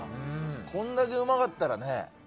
こんだけうまかったらね。